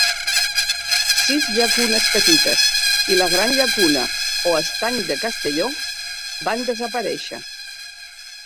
Sis llacunes petites i la gran llacuna o estany de Castelló van desaparèixer.